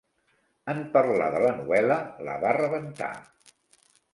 En parlar de la novel·la, la va rebentar.